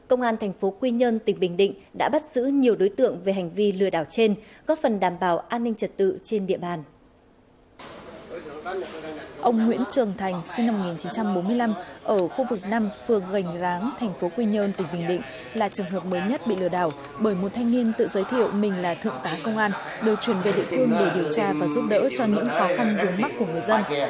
ông nguyễn trường thành sinh năm một nghìn chín trăm bốn mươi năm ở khu vực năm phường gành ráng thành phố quy nhơn tỉnh bình định là trường hợp mới nhất bị lừa đảo bởi một thanh niên tự giới thiệu mình là thượng tá công an đều chuyển về địa phương để điều tra và giúp đỡ cho những khó khăn vướng mắt của người dân